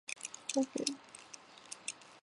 湖北大学知行学院等